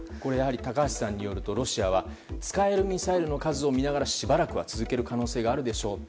高橋さんによるとロシアは使えるミサイルの数を見ながらしばらく続ける可能性があると。